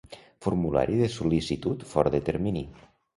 Formulari de sol·licitud fora de termini.